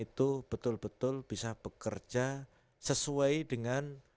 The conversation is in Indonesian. itu betul betul bisa bekerja sesuai dengan